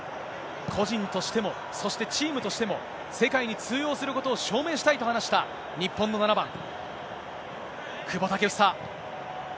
個人としても、そして、チームとしても、世界に通用することを証明したいと話した日本の７番、久保建英。